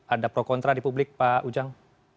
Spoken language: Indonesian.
ada pro kontra di publik pak ujang